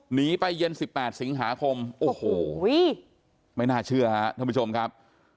หนีไปเย็นสิบแปดสินทรีหาคมโอ้โหไม่น่าเชื่อครับทุกผู้ชมครับ